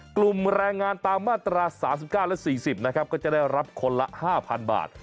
กลุ่มแรงงานตามมาตรา๓๙และ๔๐นะครับก็จะได้รับคนละ๕๐๐๐บาท